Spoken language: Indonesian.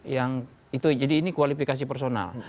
yang itu jadi ini kualifikasi personal